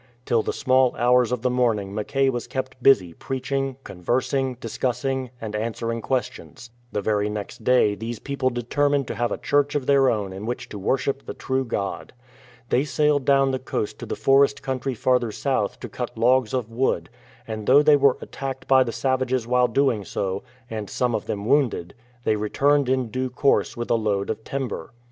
Till the small hours of the morn ing Mackay was kept busy preaching, conversing, discuss ing, and answering questions. The very next day these people determined to have a church of their own in which to worship the true God. They sailed down the coast to the forest country farther south to cut logs of wood, and though they were attacked by the savages while doing so, and some of them wounded, they returned in due course with a load of timber.